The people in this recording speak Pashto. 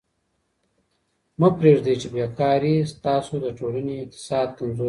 مه پرېږدئ چي بې کاري ستاسو د ټولني اقتصاد کمزوری کړي.